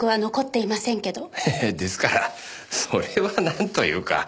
ええですからそれはなんというかねえ？